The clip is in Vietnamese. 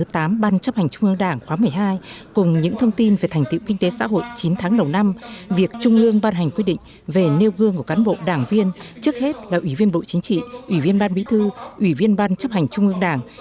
trong những thông tin về thành tựu kinh tế xã hội chín tháng đầu năm việc trung ương ban hành quyết định về nêu gương của cán bộ đảng viên trước hết là ủy viên bộ chính trị ủy viên ban bí thư ủy viên ban chấp hành trung ương đảng